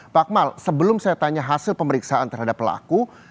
pak akmal sebelum saya tanya hasil pemeriksaan terhadap pelaku